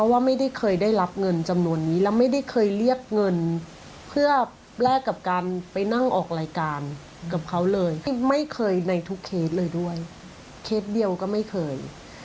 และก็จะมีเงินแค่เทศเลยด้วยเทศเดียวก็ไม่เคย